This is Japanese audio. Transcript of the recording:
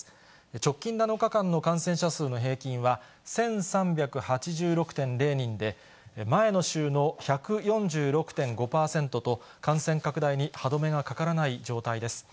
直近７日間の感染者数の平均は、１３８６．０人で、前の週の１４６．５％と、感染拡大に歯止めがかからない状態です。